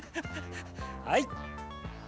はい。